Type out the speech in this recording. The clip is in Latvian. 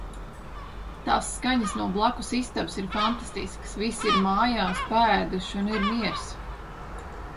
Tās skaņas no blakus istabas ir fantastiskas. Visi ir mājās, paēduši un ir miers.